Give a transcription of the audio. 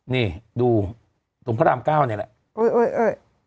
นี่ดูตรงครามเก้านี้แหละเอ๋ยเอ๋ยเอ๋ย